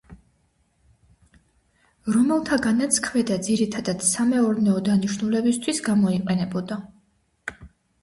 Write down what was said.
რომელთაგანაც ქვედა, ძირითადად სამეურნეო დანიშნულებისათვის გამოიყენებოდა.